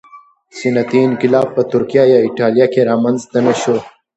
صنعتي انقلاب په ترکیه یا اېټالیا کې رامنځته نه شو